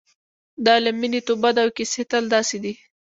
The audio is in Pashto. دا له مینې توبه ده او کیسې تل داسې دي.